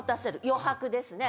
余白ですね。